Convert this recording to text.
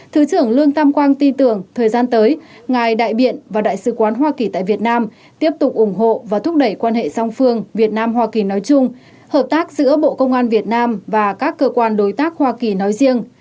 thứ trưởng lương tam quang tin tưởng thời gian tới ngài đại biện và đại sứ quán hoa kỳ tại việt nam tiếp tục ủng hộ và thúc đẩy quan hệ song phương việt nam hoa kỳ nói chung hợp tác giữa bộ công an việt nam và các cơ quan đối tác hoa kỳ nói riêng